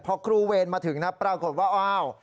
พอครูเวรมาถึงนะปรากฏว่าอ้าว